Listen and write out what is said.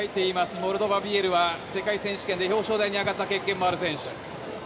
モルドバのビエルは世界選手権で表彰台に上がった経験もある選手。